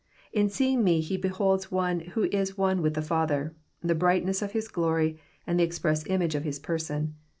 In seeing Me he beholds one who is one with the Father, the brightness of His glory, and the express image of His Person."